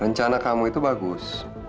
rencana kamu itu bagus